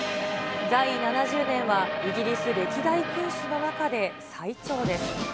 在位７０年はイギリス歴代君主の中で最長です。